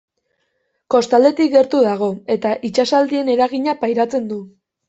Kostaldetik gertu dago eta itsasaldien eragina pairatzen du.